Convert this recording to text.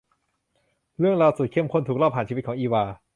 เรื่องราวสุดเข้มข้นถูกเล่าผ่านชีวิตของ อีวา